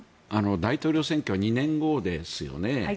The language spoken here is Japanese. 大統領選挙は２年後ですよね。